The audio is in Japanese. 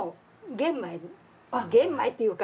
玄米っていうか。